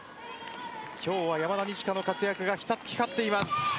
今日は山田二千華の活躍が光っています。